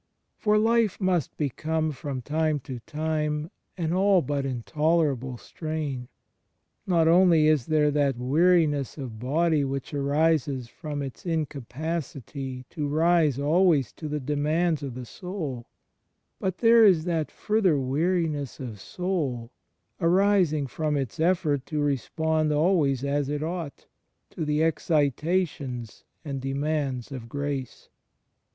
For life must become from time to time an all but intolerable strain — not only is there that weariness of body which arises from its incapacity to rise always to the demands of the soul; but there is that further weariness of soul arising from its effort to respond always as it ought, to the excitations and demands of grace.